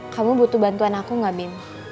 kamu butuh bantuan aku gak bin